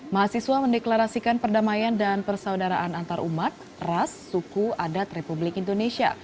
mahasiswa mendeklarasikan perdamaian dan persaudaraan antarumat ras suku adat republik indonesia